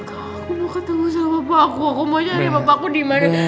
aku mau ketemu sama papa aku aku mau cari papa aku di mana